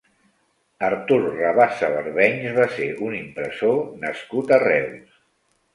Artur Rabassa Barbenys va ser un impressor nascut a Reus.